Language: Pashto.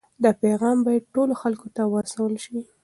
دا پیغام باید ټولو خلکو ته ورسول سي.